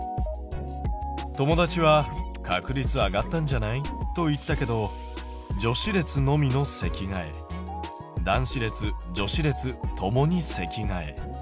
友達は「確率上がったんじゃない？」と言ったけど女子列のみの席替え男子列・女子列共に席替え。